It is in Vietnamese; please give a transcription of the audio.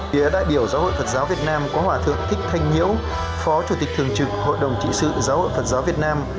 phía đại biểu giáo hội phật giáo việt nam có hòa thượng thích thanh nhiễu phó chủ tịch thường trực hội đồng trị sự giáo hội phật giáo việt nam